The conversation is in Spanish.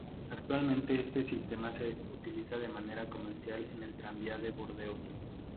Actualmente este sistema se utiliza de manera comercial en el tranvía de Burdeos.